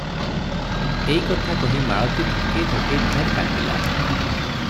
ଏଇ କଥା କହି ସାରି ମାଳତୀ ଧକେଇ ଧକେଇ ଢେର କାନ୍ଦିଲା ।